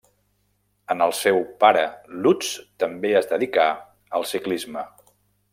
En el seu pare Lutz també es dedicà al ciclisme.